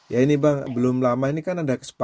ya ini bang belum lama ini kan ada kesempatan